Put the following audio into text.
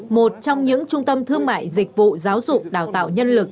một trong những trung tâm thương mại dịch vụ giáo dục đào tạo nhân lực